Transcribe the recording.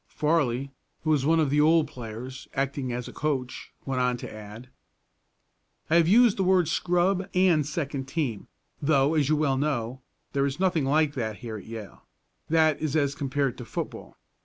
Farley, who was one of the old players, acting as a coach, went on to add: "I have used the word 'scrub' and 'second team,' though, as you well know, there is nothing like that here at Yale, that is as compared to football.